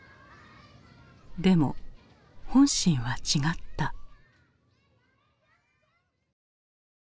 でも本心は違った。